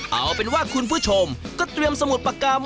เอาเป็นว่าคุณผู้ชมก็เตรียมสมุดประกรรม